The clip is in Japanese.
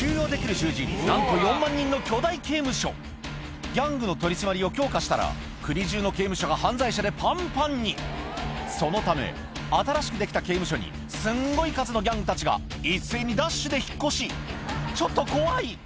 それがギャングの取り締まりを強化したら国中の刑務所が犯罪者でパンパンにそのため新しくできた刑務所にすんごい数のギャングたちが一斉にダッシュで引っ越しちょっと怖い